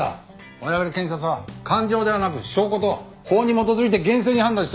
我々検察は感情ではなく証拠と法に基づいて厳正に判断してるんです。